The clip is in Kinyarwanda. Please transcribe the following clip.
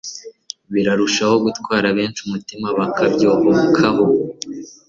birarushaho gutwara benshi umutima, bakabyohokaho